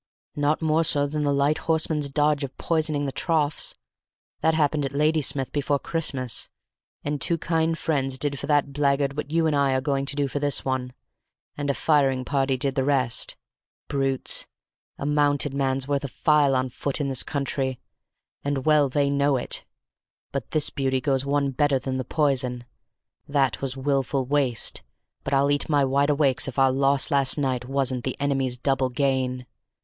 "Not more so than the Light Horseman's dodge of poisoning the troughs; that happened at Ladysmith before Christmas; and two kind friends did for that blackguard what you and I are going to do for this one, and a firing party did the rest. Brutes! A mounted man's worth a file on foot in this country, and well they know it. But this beauty goes one better than the poison; that was wilful waste; but I'll eat my wideawake if our loss last night wasn't the enemy's double gain!